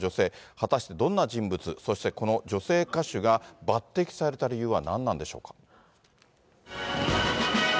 果たしてどんな人物、そして、この女性歌手が抜てきされた理由は何なんでしょうか。